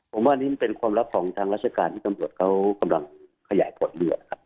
ผมว่านี่มันเป็นความลับของทางราชการที่ตำรวจเขากำลังขยายผลอยู่ครับ